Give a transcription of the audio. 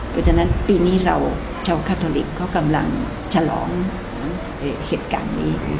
เพราะฉะนั้นปีนี้เราชาวคาทอลิกเขากำลังฉลองเหตุการณ์นี้